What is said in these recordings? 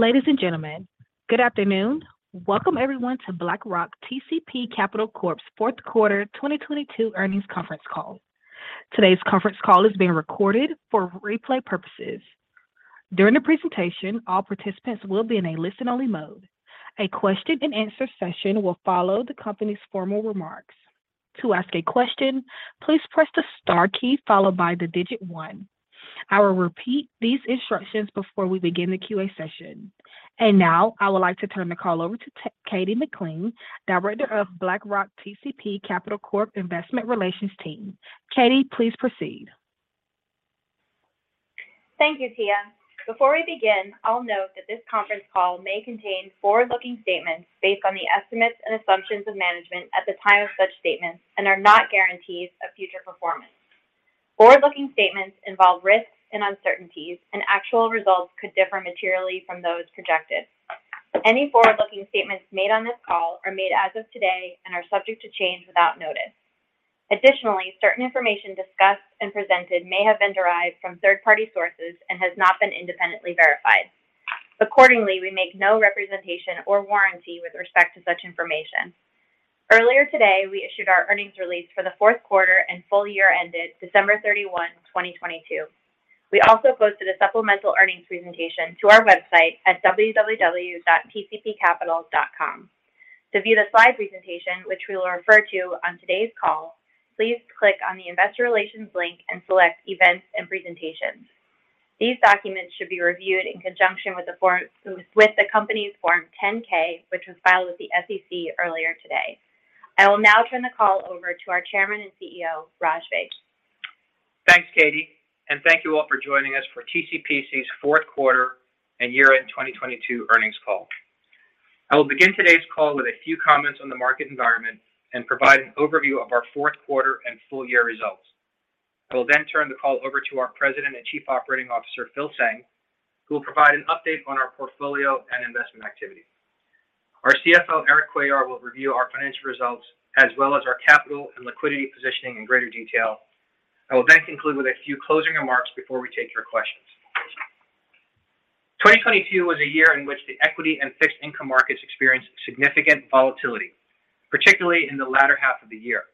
Ladies and gentlemen, good afternoon. Welcome everyone to BlackRock TCP Capital Corp's Q4 2022 earnings conference call. Today's conference call is being recorded for replay purposes. During the presentation, all participants will be in a listen-only mode. A question and answer session will follow the company's formal remarks. To ask a question, please press the star key followed by the digit one. I will repeat these instructions before we begin the Q.A. session. Now, I would like to turn the call over to Katie McGlynn, Director of BlackRock TCP Capital Corp Investor Relations team. Katie, please proceed. Thank you, Tia. Before we begin, I'll note that this conference call may contain forward-looking statements based on the estimates and assumptions of management at the time of such statements and are not guarantees of future performance. Forward-looking statements involve risks and uncertainties, actual results could differ materially from those projected. Any forward-looking statements made on this call are made as of today and are subject to change without notice. Additionally, certain information discussed and presented may have been derived from third-party sources and has not been independently verified. Accordingly, we make no representation or warranty with respect to such information. Earlier today, we issued our earnings release for the Q4 and full year ended December 31, 2022. We also posted a supplemental earnings presentation to our website at www.tcpcapital.com. To view the slide presentation, which we will refer to on today's call, please click on the Investor Relations link and select Events and Presentations. These documents should be reviewed in conjunction with the company's Form 10-K, which was filed with the SEC earlier today. I will now turn the call over to our Chairman and CEO, Raj Vig. Thanks, Katie. Thank you all for joining us for TCPC's Q4 and year-end 2022 earnings call. I will begin today's call with a few comments on the market environment and provide an overview of our Q4 and full year results. I will then turn the call over to our President and Chief Operating Officer, Phil Tseng, who will provide an update on our portfolio and investment activity. Our CFO, Erik Cuellar, will review our financial results, as well as our capital and liquidity positioning in greater detail. I will then conclude with a few closing remarks before we take your questions. 2022 was a year in which the equity and fixed income markets experienced significant volatility, particularly in the latter 1/2 of the year.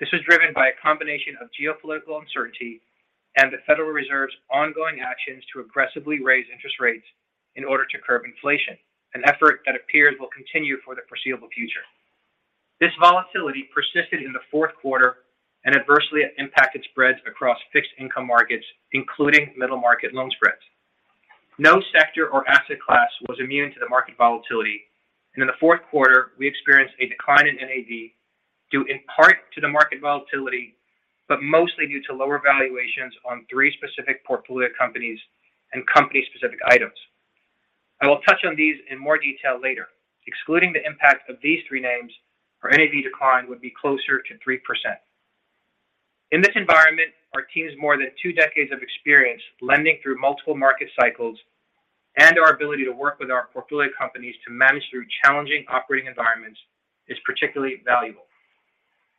This was driven by a combination of geopolitical uncertainty and the Federal Reserve's ongoing actions to aggressively raise interest rates in order to curb inflation, an effort that appears will continue for the foreseeable future. This volatility persisted in the Q4 and adversely impacted spreads across fixed income markets, including middle market loan spreads. No sector or asset class was immune to the market volatility, and in the Q4, we experienced a decline in NAV due in part to the market volatility, but mostly due to lower valuations on three specific portfolio companies and company-specific items. I will touch on these in more detail later. Excluding the impact of these three names, our NAV decline would be closer to 3%. In this environment, our team's more than two decades of experience lending through multiple market cycles and our ability to work with our portfolio companies to manage through challenging operating environments is particularly valuable.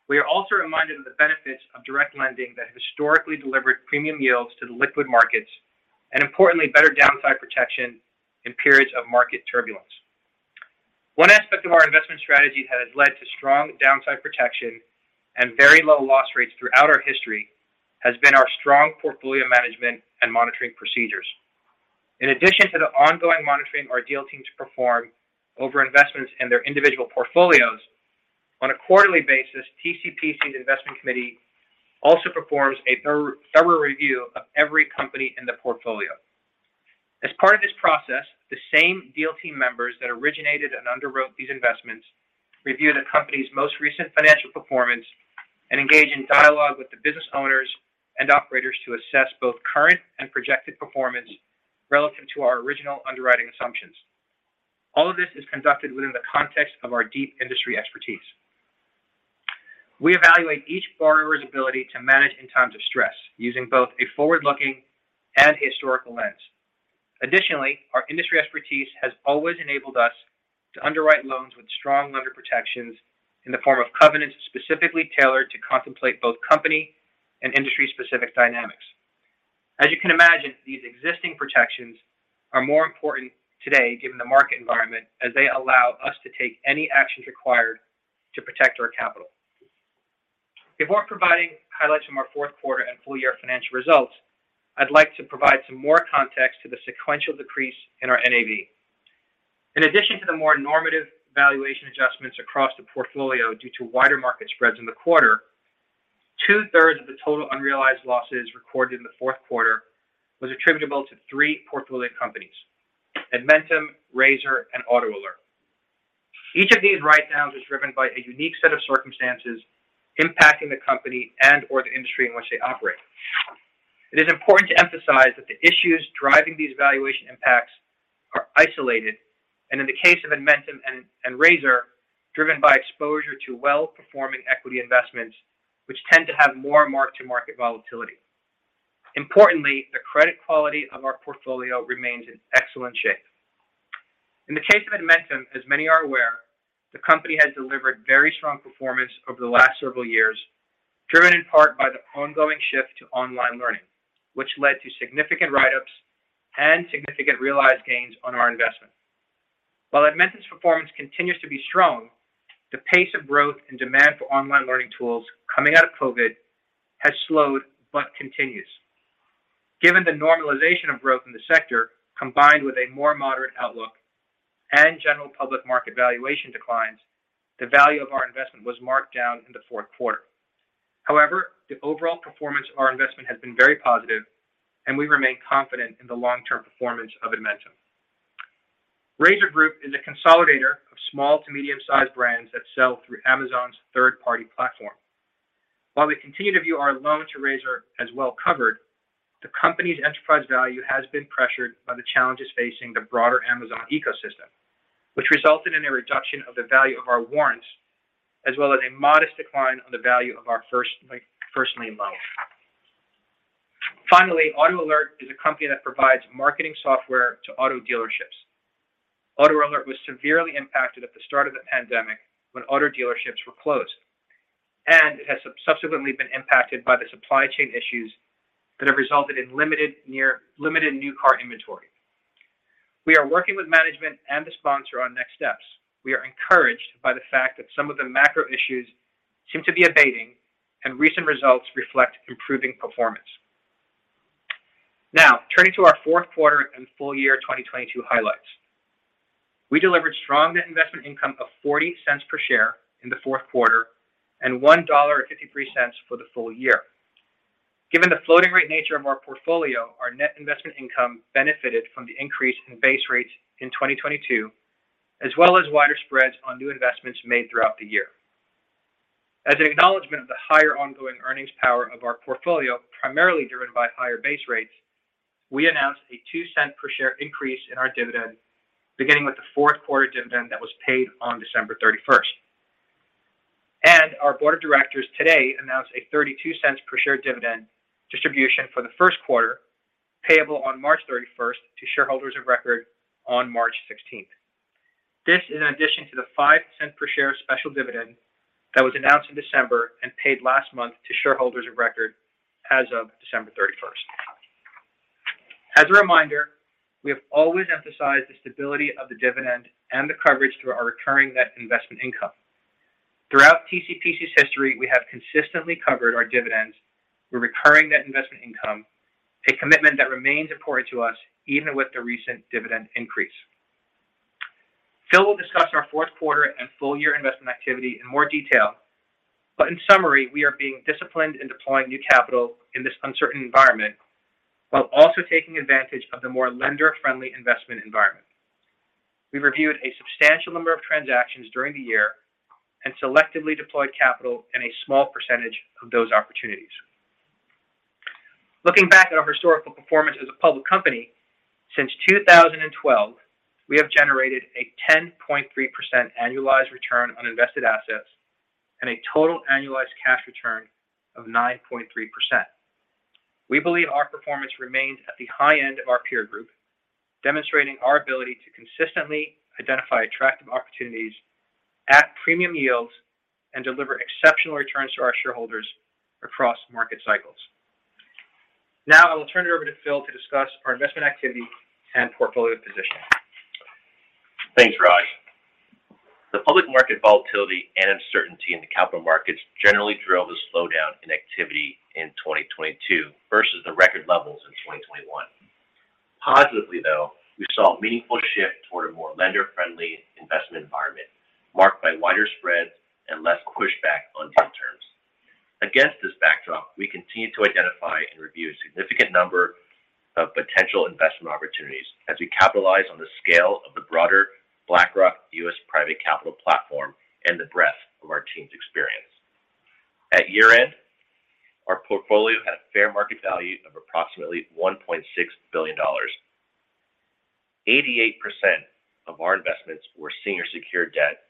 We are also reminded of the benefits of direct lending that historically delivered premium yields to the liquid markets, and importantly, better downside protection in periods of market turbulence. One aspect of our investment strategy that has led to strong downside protection and very low loss rates throughout our history has been our strong portfolio management and monitoring procedures. In addition to the ongoing monitoring our deal teams perform over investments in their individual portfolios, on a quarterly basis, TCPC's investment committee also performs a thorough review of every company in the portfolio. As part of this process, the same deal team members that originated and underwrote these investments review the company's most recent financial performance and engage in dialogue with the business owners and operators to assess both current and projected performance relative to our original underwriting assumptions. All of this is conducted within the context of our deep industry expertise. We evaluate each borrower's ability to manage in times of stress using both a forward-looking and historical lens. Additionally, our industry expertise has always enabled us to underwrite loans with strong lender protections in the form of covenants specifically tailored to contemplate both company and industry-specific dynamics. As you can imagine, these existing protections are more important today given the market environment as they allow us to take any actions required to protect our capital. Before providing highlights from our Q4 and full year financial results, I'd like to provide some more context to the sequential decrease in our NAV. In addition to the more normative valuation adjustments across the portfolio due to wider market spreads in the quarter, 2/3 of the total unrealized losses recorded in the Q4 was attributable to three portfolio companies: Edmentum, Razor, and AutoAlert. Each of these write-downs was driven by a unique set of circumstances impacting the company and/or the industry in which they operate. It is important to emphasize that the issues driving these valuation impacts are isolated, and in the case of Edmentum and Razor, driven by exposure to well-performing equity investments, which tend to have more mark-to-market volatility. Importantly, the credit quality of our portfolio remains in excellent shape. In the case of Edmentum, as many are aware, the company has delivered very strong performance over the last several years. Driven in part by the ongoing shift to online learning, which led to significant write-ups and significant realized gains on our investment. While Edmentum's performance continues to be strong, the pace of growth and demand for online learning tools coming out of COVID has slowed but continues. Given the normalization of growth in the sector, combined with a more moderate outlook and general public market valuation declines, the value of our investment was marked down in the Q4. The overall performance of our investment has been very positive, and we remain confident in the long-term performance of Edmentum. Razor Group is a consolidator of small to medium-sized brands that sell through Amazon's third-party platform. While we continue to view our loan to Razor as well-covered, the company's enterprise value has been pressured by the challenges facing the broader Amazon ecosystem, which resulted in a reduction of the value of our warrants, as well as a modest decline on the value of our first, like, first lien loan. AutoAlert is a company that provides marketing software to auto dealerships. AutoAlert was severely impacted at the start of the pandemic when auto dealerships were closed, and it has subsequently been impacted by the supply chain issues that have resulted in limited new car inventory. We are working with management and the sponsor on next steps. We are encouraged by the fact that some of the macro issues seem to be abating, and recent results reflect improving performance. Turning to our Q4 and full year 2022 highlights. We delivered strong net investment income of $0.40 per share in the Q4 and $1.53 for the full year. Given the floating rate nature of our portfolio, our net investment income benefited from the increase in base rates in 2022, as well as wider spreads on new investments made throughout the year. As an acknowledgement of the higher ongoing earnings power of our portfolio, primarily driven by higher base rates, we announced a $0.02 per share increase in our dividend, beginning with the Q4 dividend that was paid on December 31. Our board of directors today announced a $0.32 per share dividend distribution for the Q1, payable on March 31 to shareholders of record on March 16. This is in addition to the $0.05 per share special dividend that was announced in December and paid last month to shareholders of record as of December 31. As a reminder, we have always emphasized the stability of the dividend and the coverage through our recurring net investment income. Throughout TCPC's history, we have consistently covered our dividends with recurring net investment income, a commitment that remains important to us even with the recent dividend increase. Phil will discuss our Q4 and full year investment activity in more detail. In summary, we are being disciplined in deploying new capital in this uncertain environment while also taking advantage of the more lender-friendly investment environment. We reviewed a substantial number of transactions during the year and selectively deployed capital in a small percentage of those opportunities. Looking back at our historical performance as a public company, since 2012, we have generated a 10.3% annualized return on invested assets and a total annualized cash return of 9.3%. We believe our performance remains at the high end of our peer group, demonstrating our ability to consistently identify attractive opportunities at premium yields and deliver exceptional returns to our shareholders across market cycles. I will turn it over to Phil to discuss our investment activity and portfolio position. Thanks, Raj. The public market volatility and uncertainty in the capital markets generally drove a slowdown in activity in 2022 versus the record levels in 2021. Positively, though, we saw a meaningful shift toward a more lender-friendly investment environment marked by wider spreads and less pushback on deal terms. Against this backdrop, we continued to identify and review a significant number of potential investment opportunities as we capitalize on the scale of the broader BlackRock US private capital platform and the breadth of our team's experience. At year-end, our portfolio had a fair market value of approximately $1.6 billion. 88% of our investments were senior secured debt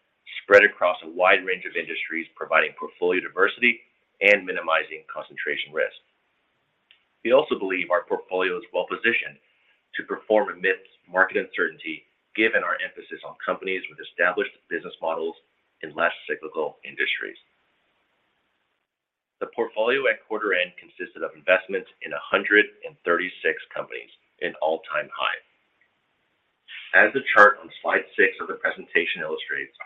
spread across a wide range of industries, providing portfolio diversity and minimizing concentration risk. We also believe our portfolio is well-positioned to perform amidst market uncertainty, given our emphasis on companies with established business models in less cyclical industries. The portfolio at quarter end consisted of investments in 136 companies, an all-time high. As the chart on slide six of the presentation illustrates,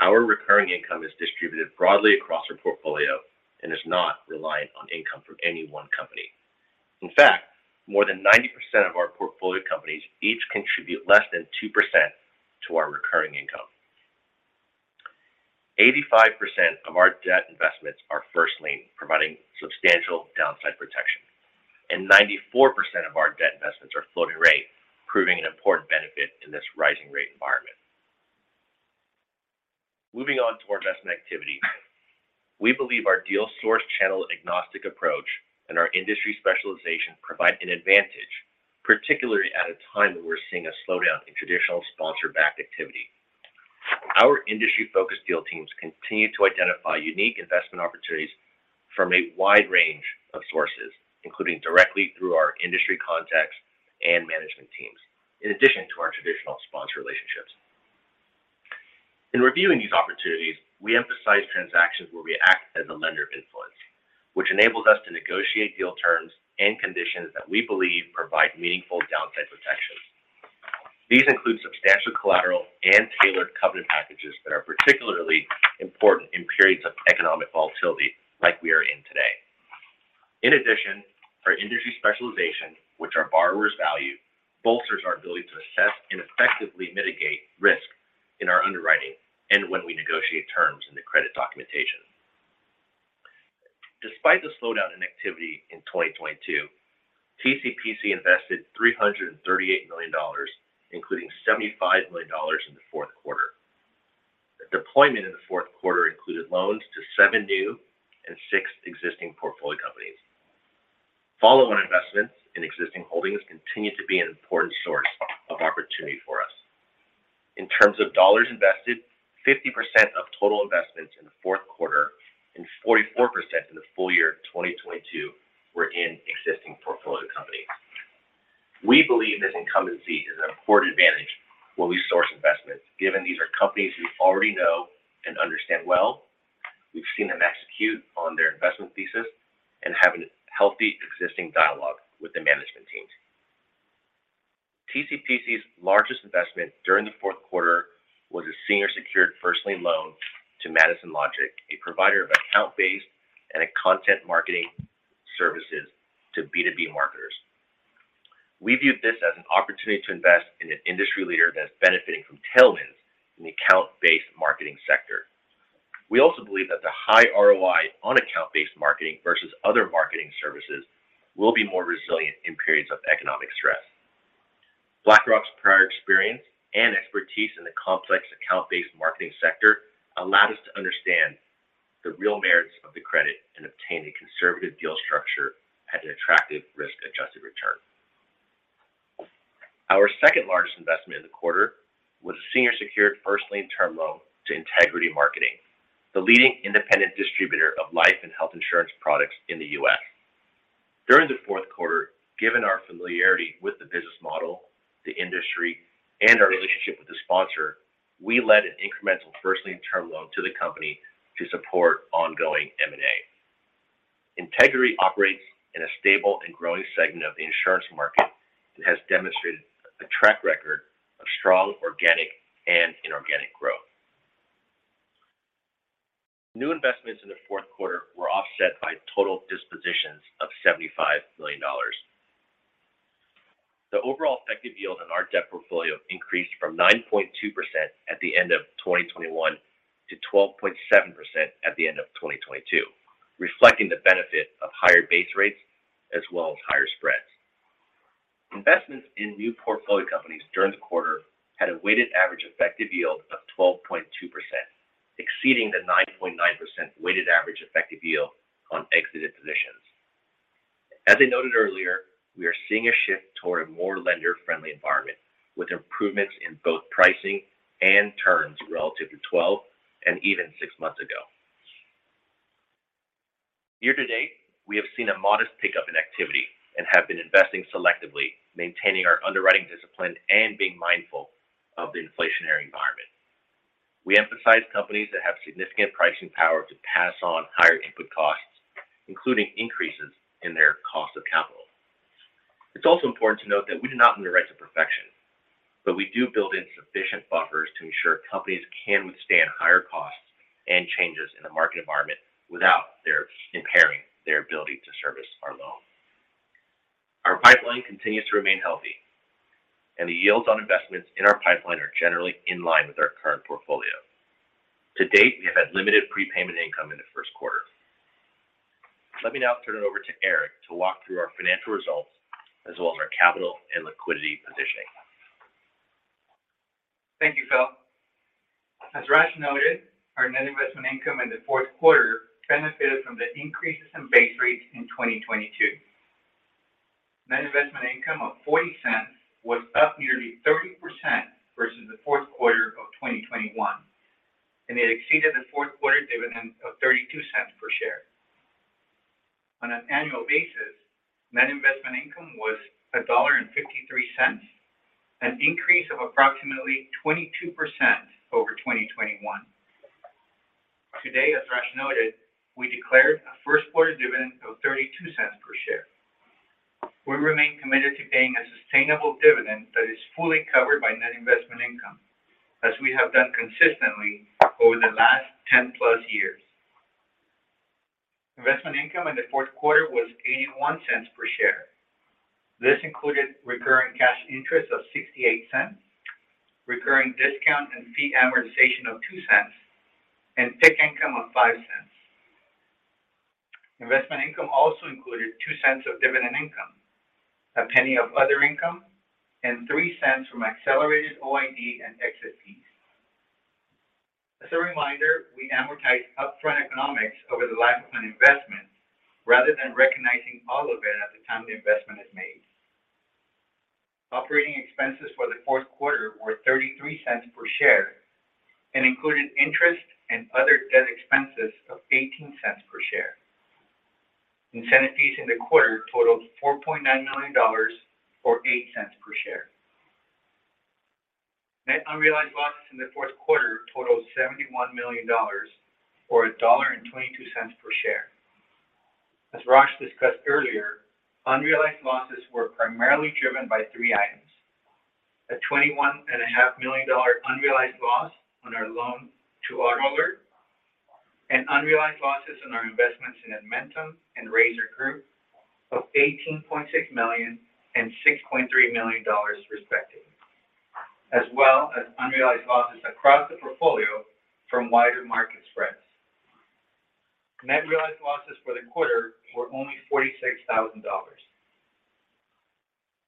our recurring income is distributed broadly across our portfolio and is not reliant on income from any one company. In fact, more than 90% of our portfolio companies each contribute less than 2% to our recurring income. 85% of our debt investments are first lien, providing substantial downside protection. 94% of our debt investments are floating rate, proving an important benefit in this rising rate environment. Moving on to our investment activity. We believe our deal source channel agnostic approach and our industry specialization provide an advantage, particularly at a time when we're seeing a slowdown in traditional sponsor-backed activity. Our industry-focused deal teams continue to identify unique investment opportunities from a wide range of sources, including directly through our industry contacts and management teams, in addition to our traditional sponsor relationships. In reviewing these opportunities, we emphasize transactions where we act as a lender of influence, which enables us to negotiate deal terms and conditions that we believe provide meaningful downside protections. These include substantial collateral and tailored covenant packages that are particularly important in periods of economic volatility like we are in today. In addition, our industry specialization, which our borrowers value, bolsters our ability to assess and effectively mitigate risk in our underwriting and when we negotiate terms in the credit documentation. Despite the slowdown in activity in 2022, TCPC invested $338 million, including $75 million in the Q4. The deployment in the Q4 included loans to seven new and six existing portfolio companies. Follow-on investments in existing holdings continue to be an important source of opportunity for us. In terms of dollars invested, 50% of total investments in the Q4 and 44% in the full year of 2022 were in existing portfolio companies. We believe this incumbency is an important advantage when we source investments, given these are companies we already know and understand well, we've seen them execute on their investment thesis, and have a healthy existing dialogue with the management teams. TCPC's largest investment during the Q4 was a senior secured first lien loan to Madison Logic, a provider of account-based and a content marketing services to B2B marketers. We viewed this as an opportunity to invest in an industry leader that's benefiting from tailwinds in the account-based marketing sector. We also believe that the high ROI on account-based marketing versus other marketing services will be more resilient in periods of economic stress. BlackRock's prior experience and expertise in the complex account-based marketing sector allowed us to understand the real merits of the credit and obtain a conservative deal structure at an attractive risk-adjusted return. Our second-largest investment in the quarter was a senior secured first lien term loan to Integrity Marketing, the leading independent distributor of life and health insurance products in the U.S. During the Q4, given our familiarity with the business model, the industry, and our relationship with the sponsor, we led an incremental first lien term loan to the company to support ongoing M&A. Integrity operates in a stable and growing segment of the insurance market that has demonstrated a track record of strong organic and inorganic growth. New investments in the Q4 were offset by total dispositions of $75 million. The overall effective yield on our debt portfolio increased from 9.2% at the end of 2021 to 12.7% at the end of 2022, reflecting the benefit of higher base rates as well as higher spreads. Investments in new portfolio companies during the quarter had a weighted average effective yield of 12.2%, exceeding the 9.9% weighted average effective yield on exited positions. As I noted earlier, we are seeing a shift toward a more lender-friendly environment, with improvements in both pricing and terms relative to 12 months and even six months ago. Year to date, we have seen a modest pickup in activity and have been investing selectively, maintaining our underwriting discipline and being mindful of the inflationary environment. We emphasize companies that have significant pricing power to pass on higher input costs, including increases in their cost of capital. It's also important to note that we do not underwrite to perfection, but we do build in sufficient buffers to ensure companies can withstand higher costs and changes in the market environment without impairing their ability to service our loan. Our pipeline continues to remain healthy, and the yields on investments in our pipeline are generally in line with our current portfolio. To date, we have had limited prepayment income in the Q1. Let me now turn it over to Erik to walk through our financial results as well as our capital and liquidity positioning. Thank you, Phil. As Raj noted, our net investment income in the Q4 benefited from the increases in base rates in 2022. Net investment income of $0.40 was up nearly 30% versus the Q4 of 2021. It exceeded the Q4 dividend of $0.32 per share. On an annual basis, net investment income was $1.53, an increase of approximately 22% over 2021. Today, as Raj noted, we declared a Q1 dividend of $0.32 per share. We remain committed to paying a sustainable dividend that is fully covered by net investment income, as we have done consistently over the last 10+ years. Investment income in the Q4 was $0.81 per share. This included recurring cash interest of $0.68, recurring discount and fee amortization of $0.02, and PIK income of $0.05. Investment income also included $0.02 of dividend income, $0.01 of other income, and $0.03 from accelerated OID and exit fees. As a reminder, we amortize upfront economics over the life of an investment rather than recognizing all of it at the time the investment is made. Operating expenses for the Q4 were $0.33 per share and included interest and other debt expenses of $0.18 per share. Incentive fees in the quarter totaled $4.9 million or $0.08 per share. Net unrealized losses in the Q4 totaled $71 million or $1.22 per share. As Raj discussed earlier, unrealized losses were primarily driven by three items. A $21.5 million unrealized loss on our loan to AutoAlert, and unrealized losses on our investments in Edmentum and Razor Group of $18.6 million and $6.3 million respectively, as well as unrealized losses across the portfolio from wider market spreads. Net realized losses for the quarter were only $46,000.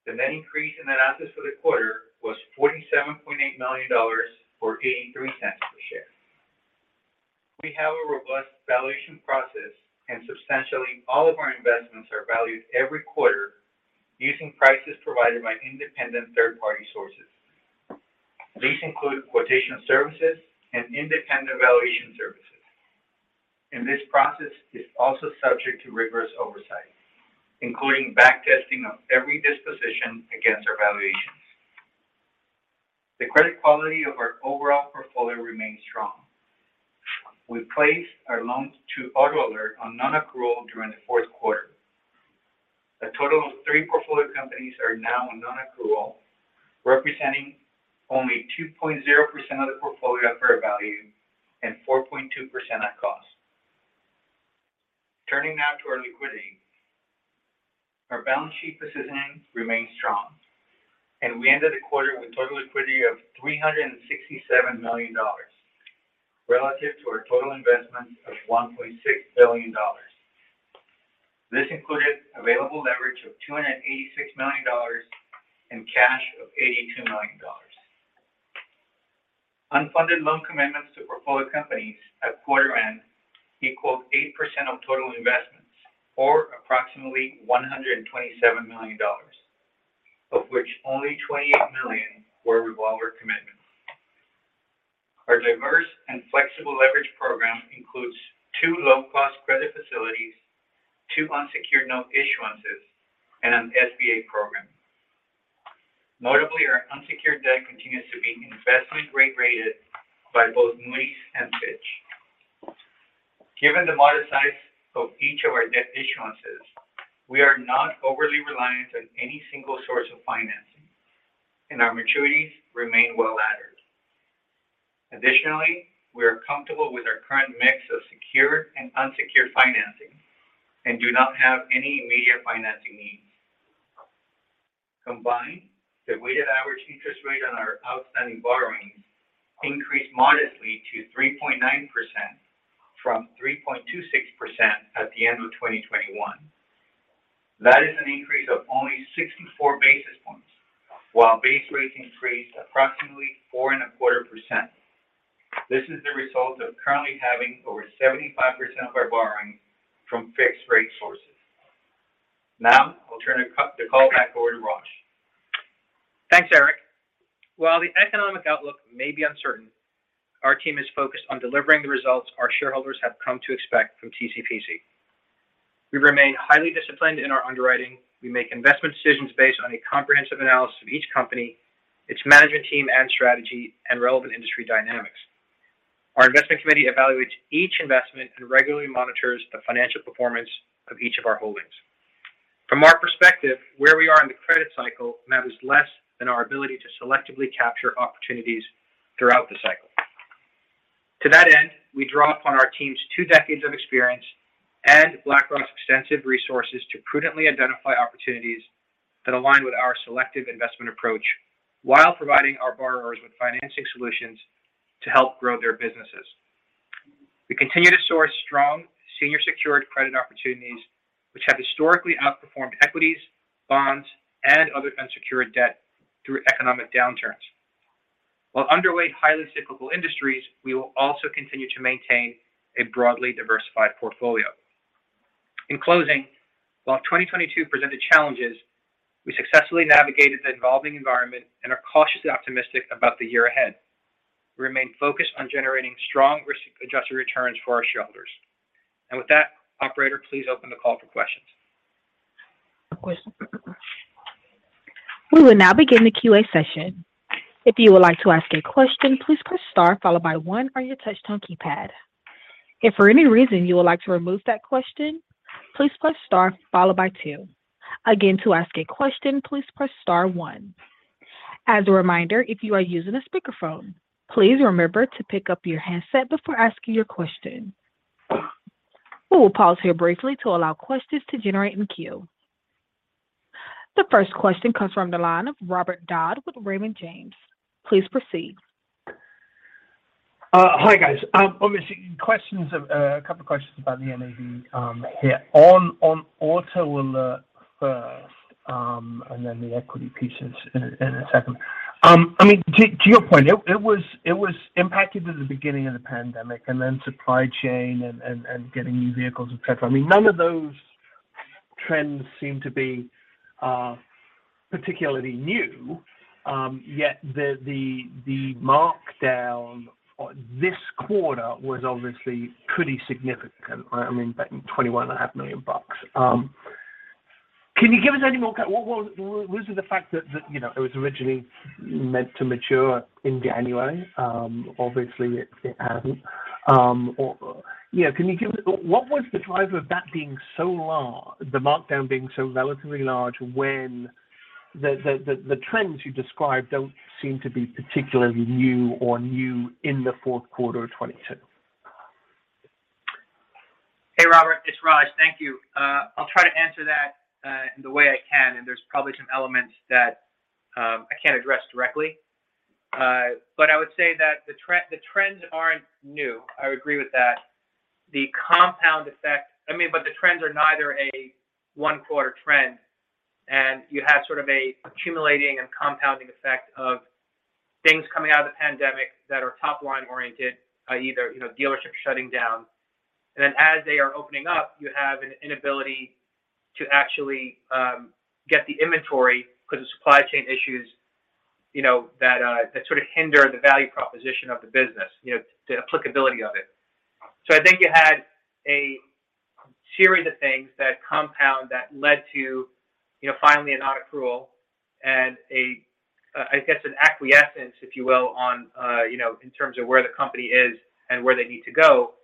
The net increase in net assets for the quarter was $47.8 million or $0.83 per share. We have a robust valuation process, and substantially all of our investments are valued every quarter using prices provided by independent third-party sources. These include quotation services and independent valuation services. This process is also subject to rigorous oversight, including back testing of every disposition against our valuations. The credit quality of our overall portfolio remains strong. We placed our loans to AutoAlert on non-accrual during the Q4. A total of three portfolio companies are now on non-accrual, representing only 2.0% of the portfolio at fair value and 4.2% at cost. Turning now to our liquidity. Our balance sheet positioning remains strong, and we ended the quarter with total equity of $367 million relative to our total investment of $1.6 billion. This included available leverage of $286 million and cash of $82 million. Unfunded loan commitments to portfolio companies at quarter end equaled 8% of total investments or approximately $127 million, of which only $28 million were revolver commitments. Our diverse and flexible leverage program includes two low-cost credit facilities, two unsecured note issuances, and an SBA program. Notably, our unsecured debt continues to be investment-grade rated by both Moody's and Fitch. Given the moderate size of each of our debt issuances, we are not overly reliant on any single source of financing, and our maturities remain well laddered. Additionally, we are comfortable with our current mix of secured and unsecured financing and do not have any immediate financing needs. Combined, the weighted average interest rate on our outstanding borrowings increased modestly to 3.9% from 3.26% at the end of 2021. That is an increase of only 64 basis points while base rate increased approximately 4.25%. This is the result of currently having over 75% of our borrowing from fixed-rate sources. Now I'll turn the call back over to Raj. Thanks, Erik. While the economic outlook may be uncertain, our team is focused on delivering the results our shareholders have come to expect from TCPC. We remain highly disciplined in our underwriting. We make investment decisions based on a comprehensive analysis of each company, its management team and strategy, and relevant industry dynamics. Our investment committee evaluates each investment and regularly monitors the financial performance of each of our holdings. From our perspective, where we are in the credit cycle matters less than our ability to selectively capture opportunities throughout the cycle. To that end, we draw upon our team's two decades of experience and BlackRock's extensive resources to prudently identify opportunities that align with our selective investment approach while providing our borrowers with financing solutions to help grow their businesses. We continue to source strong senior secured credit opportunities, which have historically outperformed equities, bonds, and other unsecured debt through economic downturns. While underweight highly cyclical industries, we will also continue to maintain a broadly diversified portfolio. In closing, while 2022 presented challenges, we successfully navigated the evolving environment and are cautiously optimistic about the year ahead. We remain focused on generating strong risk-adjusted returns for our shareholders. With that, operator, please open the call for questions. We will now begin the QA session. If you would like to ask a question, please press star followed by one on your touch-tone keypad. If for any reason you would like to remove that question, please press star followed by two. To ask a question, please press star one. As a reminder, if you are using a speakerphone, please remember to pick up your handset before asking your question. We will pause here briefly to allow questions to generate in queue. The first question comes from the line of Robert Dodd with Raymond James. Please proceed. Hi, guys. Obviously questions, a couple of questions about the NAV hit. On AutoAlert first, and then the equity pieces in a second. I mean, to your point, it was impacted at the beginning of the pandemic and then supply chain and getting new vehicles, et cetera. I mean, none of those trends seem to be particularly new, yet the markdown on this quarter was obviously pretty significant. I mean, $21.5 million. Can you give us any more? Was it the fact that, you know, it was originally meant to mature in January? Obviously it hasn't. Yeah, can you give what was the driver of that being so large, the markdown being so relatively large when the trends you described don't seem to be particularly new or new in the Q4 of 2022? Hey, Robert, it's Raj. Thank you. I'll try to answer that in the way I can, and there's probably some elements that I can't address directly. I would say that the trends aren't new. I would agree with that. The compound effect... I mean, the trends are neither a one-quarter trend. You have sort of a accumulating and compounding effect of things coming out of the pandemic that are top-line oriented, either, you know, dealerships shutting down. As they are opening up, you have an inability to actually get the inventory 'cause of supply chain issues, you know, that sort of hinder the value proposition of the business, you know, the applicability of it. I think you had a series of things that compound that led to, you know, finally a non-accrual and a, I guess an acquiescence, if you will, on, you know, in terms of where the company is and where they need to go.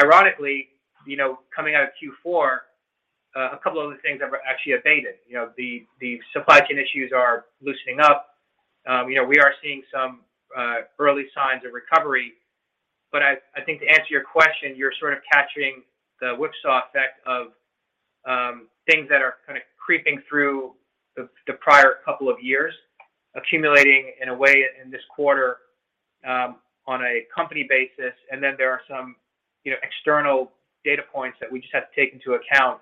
Ironically, you know, coming out of Q4, a couple of the things have actually abated. You know, the supply chain issues are loosening up. You know, we are seeing some early signs of recovery. I think to answer your question, you're sort of catching the whipsaw effect of things that are kind of creeping through the prior couple of years, accumulating in a way in this quarter, on a company basis. There are some, you know, external data points that we just have to take into account,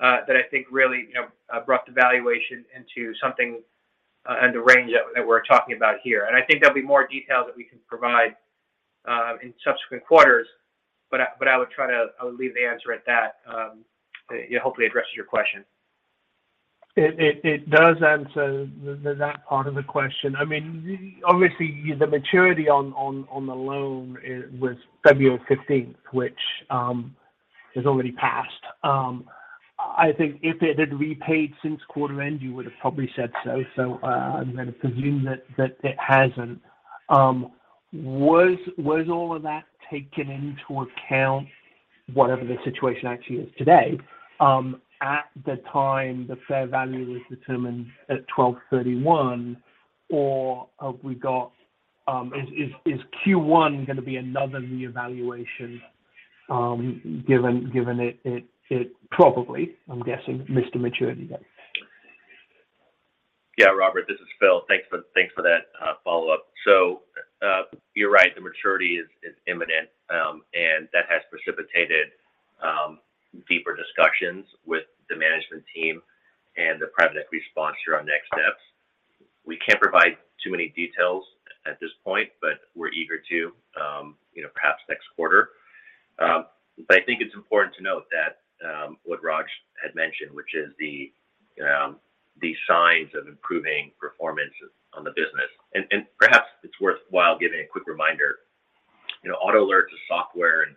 that I think really, you know, brought the valuation into something, in the range that we're talking about here. I think there'll be more detail that we can provide, in subsequent quarters, but I would leave the answer at that. Yeah, hopefully addresses your question. It does answer that part of the question. I mean, obviously the maturity on the loan was February fifteenth, which has already passed. I think if it had repaid since quarter end, you would have probably said so. I'm gonna presume that it hasn't. Was all of that taken into account, whatever the situation actually is today, at the time the fair value was determined at December 31? Have we got, is Q1 gonna be another reevaluation, given it probably, I'm guessing, missed the maturity date? Yeah, Robert, this is Phil. Thanks for that follow-up. You're right, the maturity is imminent, and that has precipitated deeper discussions with the management team and the private equity sponsor on next steps. We can't provide too many details at this point, but we're eager to, you know, perhaps next quarter. I think it's important to note that what Raj had mentioned, which is the signs of improving performance on the business. Perhaps it's worthwhile giving a quick reminder. You know, AutoAlert's a software and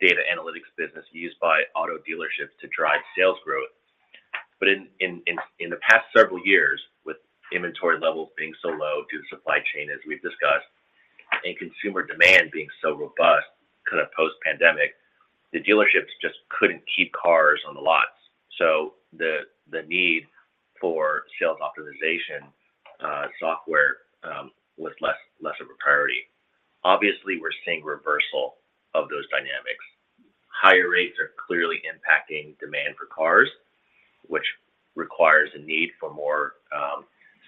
data analytics business used by auto dealerships to drive sales growth. In the past several years, with inventory levels being so low due to supply chain, as we've discussed, and consumer demand being so robust kind of post-pandemic, the dealerships just couldn't keep cars on the lots. The need for sales optimization software was less of a priority. Obviously, we're seeing reversal of those dynamics. Higher rates are clearly impacting demand for cars, which requires a need for more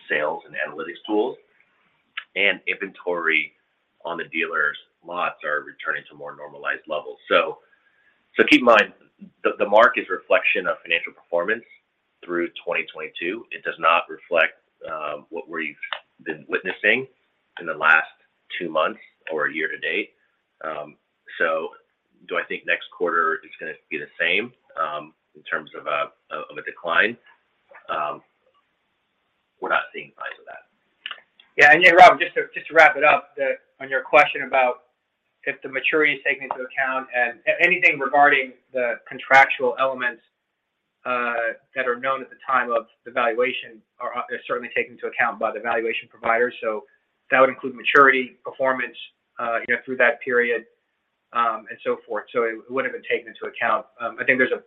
sales and analytics tools. Inventory on the dealers' lots are returning to more normalized levels. Keep in mind, the mark is a reflection of financial performance through 2022. It does not reflect what we've been witnessing in the last two months or year to date. Do I think next quarter is gonna be the same in terms of a decline? We're not seeing signs of that. Yeah. Robert, just to, just to wrap it up, on your question about if the maturity is taken into account and anything regarding the contractual elements that are known at the time of the valuation are certainly taken into account by the valuation provider. That would include maturity, performance, you know, through that period, and so forth. It would've been taken into account. I think there's a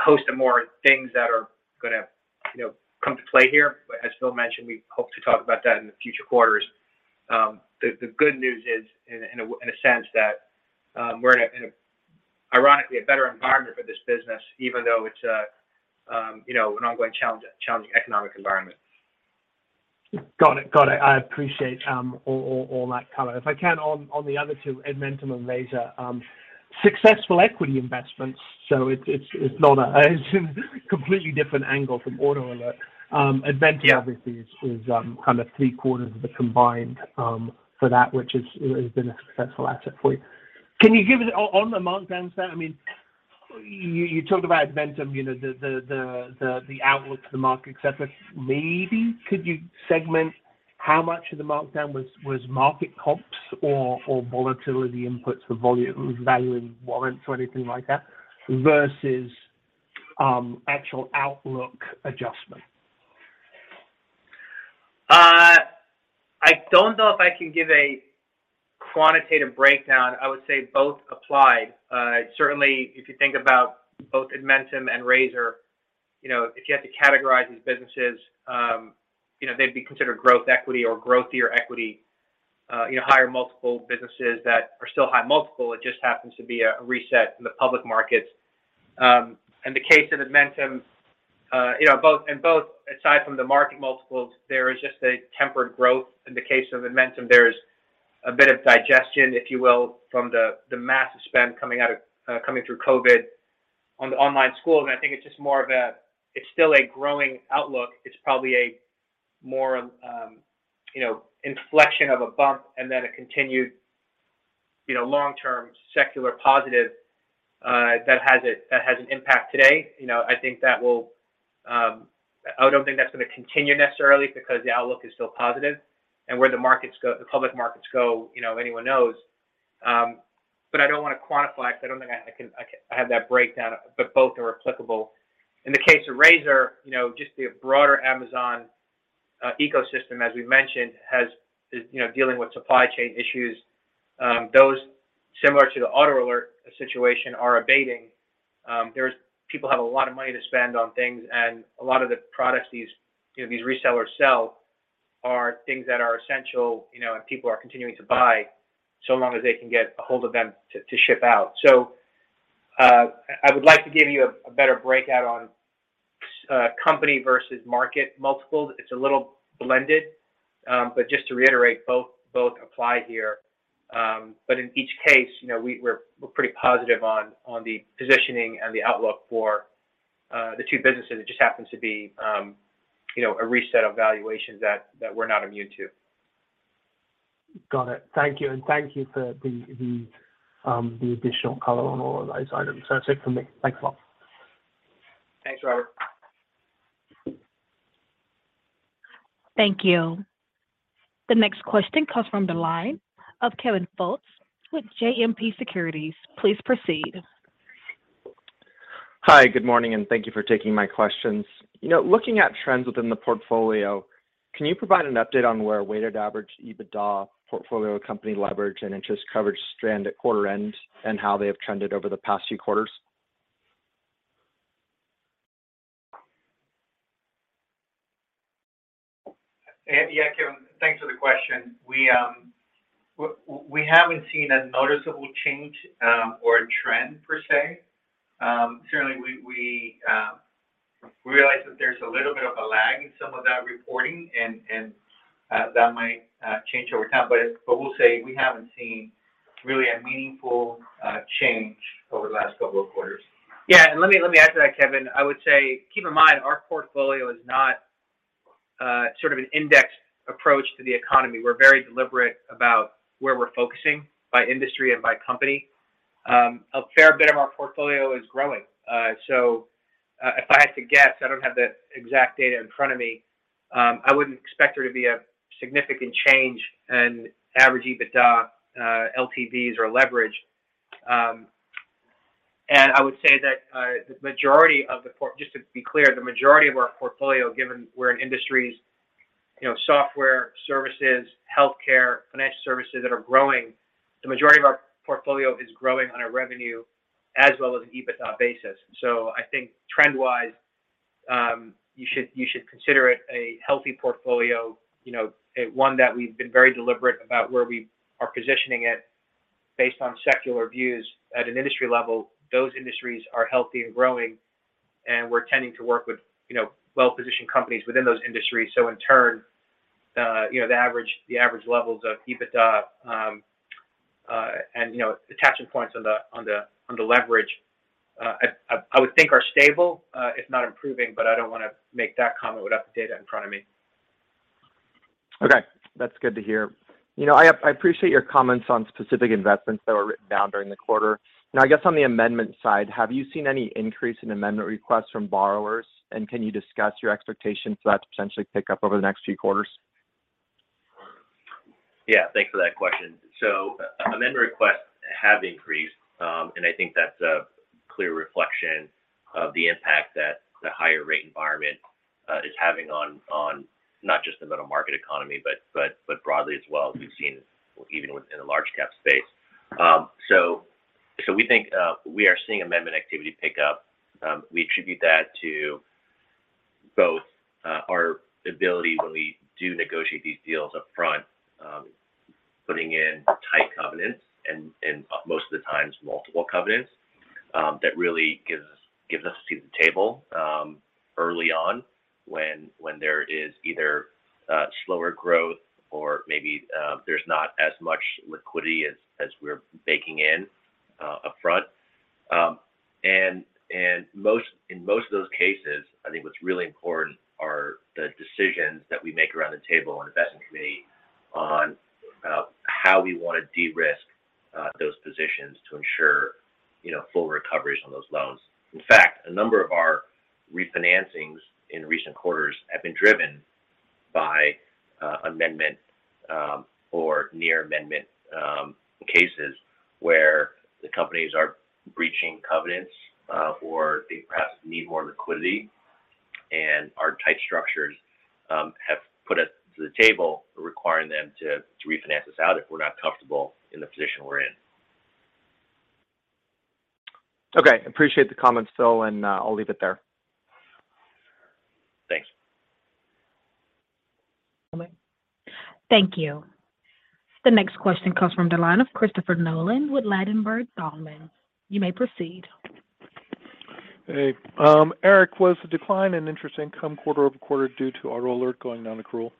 host of more things that are gonna, you know, come to play here. As Phil mentioned, we hope to talk about that in the future quarters. The good news is in a sense that we're in a, ironically, a better environment for this business, even though it's a, you know, an ongoing challenging economic environment. Got it. Got it. I appreciate all that color. If I can, on the other two, Edmentum and Razor, successful equity investments, so it's not a. It's a completely different angle from AutoAlert. Edmentum. Yeah... obviously is, kind of three-quarters of the combined, for that, which is, you know, has been a successful asset for you. Can you give us on the markdown stat? I mean, you talked about Edmentum, you know, the outlook for the market, et cetera. Maybe could you segment how much of the markdown was, market comps or volatility inputs for volume, valuing warrants or anything like that versus, actual outlook adjustment? I don't know if I can give a quantitative breakdown. I would say both apply. Certainly, if you think about both Edmentum and Razor, you know, if you had to categorize these businesses, you know, they'd be considered growth equity or growthier equity, you know, higher multiple businesses that are still high multiple, it just happens to be a reset in the public markets. In the case of Edmentum, you know, in both, aside from the market multiples, there is just a tempered growth. In the case of Edmentum, there's a bit of digestion, if you will, from the massive spend coming out of, coming through COVID on the online schools. I think it's still a growing outlook. It's probably a more, you know, inflection of a bump and then a continued, you know, long-term secular positive that has a, that has an impact today. You know, I think that will. I don't think that's gonna continue necessarily because the outlook is still positive. Where the markets go, the public markets go, you know, anyone knows. I don't wanna quantify it 'cause I don't think I have that breakdown, but both are applicable. In the case of Razor, you know, just the broader Amazon ecosystem, as we mentioned, is, you know, dealing with supply chain issues. Those similar to the AutoAlert situation are abating. People have a lot of money to spend on things, and a lot of the products these, you know, these resellers sell are things that are essential, you know, and people are continuing to buy so long as they can get a hold of them to ship out. I would like to give you a better breakout on company versus market multiples. It's a little blended. Just to reiterate, both apply here. In each case, you know, we're pretty positive on the positioning and the outlook for the two businesses. It just happens to be, you know, a reset of valuations that we're not immune to. Got it. Thank you. Thank you for the additional color on all of those items. That's it from me. Thanks a lot. Thanks, Robert. Thank you. The next question comes from the line of Kevin Fultz with JMP Securities. Please proceed. Hi, good morning, and thank you for taking my questions. You know, looking at trends within the portfolio, can you provide an update on where weighted average EBITDA portfolio company leverage and interest coverage stand at quarter end and how they have trended over the past few quarters? Yeah, Kevin. Thanks for the question. We haven't seen a noticeable change, or a trend per se. Certainly, we realize that there's a little bit of a lag in some of that reporting and that might change over time. We'll say we haven't seen really a meaningful change over the last couple of quarters. Let me, let me add to that, Kevin. I would say keep in mind our portfolio is not sort of an index approach to the economy. We're very deliberate about where we're focusing by industry and by company. A fair bit of our portfolio is growing. If I had to guess, I don't have the exact data in front of me, I wouldn't expect there to be a significant change in average EBITDA, LTVs or leverage. I would say that the majority of the Just to be clear, the majority of our portfolio, given we're in industries, you know, software services, healthcare, financial services that are growing, the majority of our portfolio is growing on a revenue as well as an EBITDA basis. I think trend-wise, you should, you should consider it a healthy portfolio. You know, one that we've been very deliberate about where we are positioning it based on secular views at an industry level. Those industries are healthy and growing, and we're tending to work with, you know, well-positioned companies within those industries. In turn, you know, the average levels of EBITDA, and, you know, attachment points on the leverage, I would think are stable, if not improving. I don't wanna make that comment without the data in front of me. Okay. That's good to hear. You know, I appreciate your comments on specific investments that were written down during the quarter. I guess on the amendment side, have you seen any increase in amendment requests from borrowers? Can you discuss your expectations for that to potentially pick up over the next few quarters? Yeah. Thanks for that question. Amendment requests have increased, and I think that's a clear reflection of the impact that the higher rate environment is having on not just the middle market economy, but broadly as well we've seen even within the large cap space. We think we are seeing amendment activity pick up. We attribute that to both, our ability when we do negotiate these deals upfront, putting in tight covenants and, most of the times multiple covenants, that really gives us a seat at the table, early on when there is either slower growth or maybe there's not as much liquidity as we're baking in upfront. In most of those cases, I think what's really important are the decisions that we make around the table on investment committee on how we wanna de-risk those positions to ensure, you know, full recoveries on those loans. In fact, a number of our refinancings in recent quarters have been driven by amendment, or near amendment, cases where the companies are breaching covenants, or they perhaps need more liquidity. Our tight structures have put us to the table requiring them to refinance us out if we're not comfortable in the position we're in. Okay. Appreciate the comments, Phil, and, I'll leave it there. Thanks. Thank you. The next question comes from the line of Christopher Nolan with Ladenburg Thalmann. You may proceed. Hey. Erik, was the decline in interest income quarter-over-quarter due to AutoAlert going non-accrual?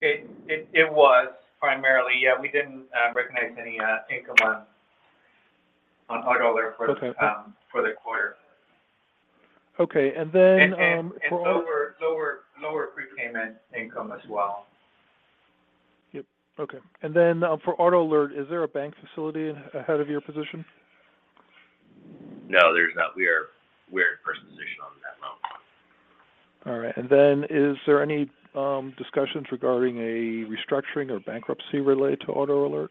It was primarily, yeah. We didn't recognize any income on AutoAlert... Okay... for the quarter. Okay. for all-. Lower prepayment income as well. Yep. Okay. Then, for AutoAlert, is there a bank facility ahead of your position? No, there's not. We're in first position on that loan. All right. Is there any discussions regarding a restructuring or bankruptcy related to AutoAlert?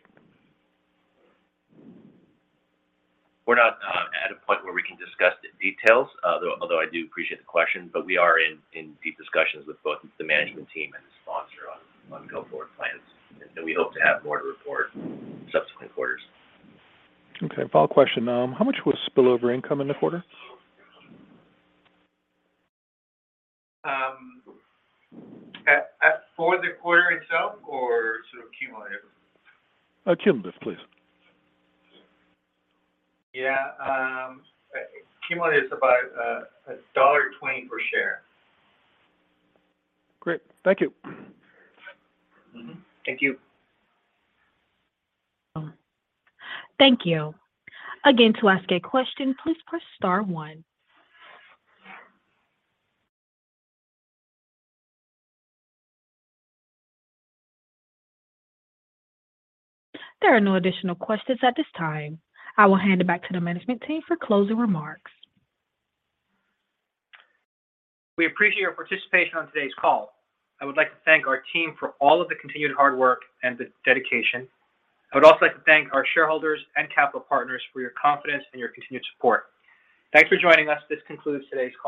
We're not, at a point where we can discuss the details, though, although I do appreciate the question. We are in deep discussions with both the management team and the sponsor on go-forward plans. We hope to have more to report in subsequent quarters. Okay. Final question. How much was spillover income in the quarter? For the quarter itself or sort of cumulative? Cumulative, please. Yeah. cumulative is about, $1.20 per share. Great. Thank you. Mm-hmm. Thank you. Thank you. Again, to ask a question, please press star one. There are no additional questions at this time. I will hand it back to the management team for closing remarks. We appreciate your participation on today's call. I would like to thank our team for all of the continued hard work and the dedication. I would also like to thank our shareholders and capital partners for your confidence and your continued support. Thanks for joining us. This concludes today's call.